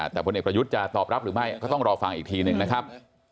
แต่พลเอกประยุทธ์จะตอบรับหรือไม่ก็ต้องรอฟังอีกทีหนึ่งนะครับ